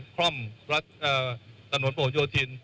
คร่่อมสะหนดประโยธิน